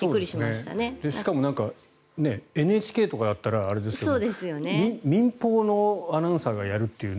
しかもＮＨＫとかだったらあれですが民放のアナウンサーがやるという。